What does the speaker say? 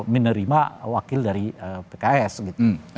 menerima wakil dari pks gitu